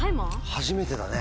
初めてだね。